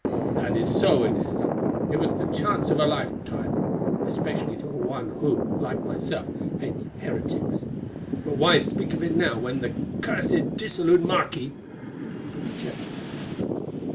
"That is so, Inez. It was the chance of a lifetime, especially to one who, like myself, hates heretics. But why speak of it now when that cursed, dissolute marquis——" and he checked himself.